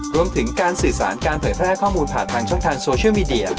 รวมถึงการสื่อสารการเผยแพร่ข้อมูลผ่านทางช่องทางโซเชียลมีเดีย